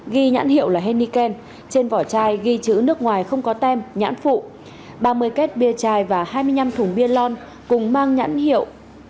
ghi nhãn hiệu là henneken trên vỏ chai ghi chữ nước ngoài không có tem nhãn phụ ba mươi két bia chai và hai mươi năm thùng biaon cùng mang nhãn hiệu